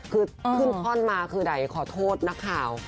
คือขึ้นข้อนมาคือไดยขอโทษนะคราว